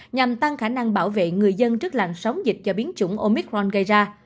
nhằm tăng khả năng bảo vệ người dân trước làn sóng dịch do biến chủng omicron gây ra